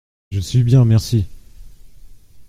Je suis bien, merci !